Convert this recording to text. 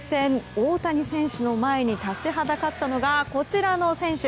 大谷選手の前に立ちはだかったのがこちらの選手！